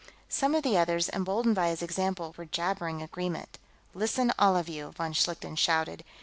Some of the others, emboldened by his example, were jabbering agreement. "Listen, all of you!" von Schlichten shouted.